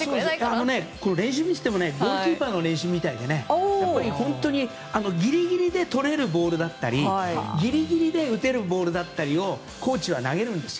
練習を見ていてもゴールキーパーの練習みたいにギリギリでとれるボールだったりギリギリで打てるボールだったりをコーチは投げるんですよ。